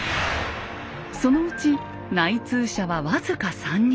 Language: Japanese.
そのうち内通者は僅か３人。